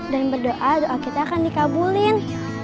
dan berdoa doa kita akan dikabulin